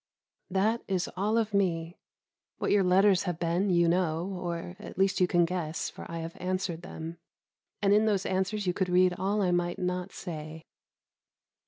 That is all of me. What your letters have been you know, or at least you can guess, for I have answered them, and in those answers you could read all I might not say.